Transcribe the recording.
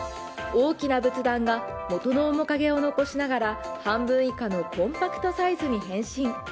大きな仏壇が元の面影を残しながら半分以下のコンパクトサイズに変身。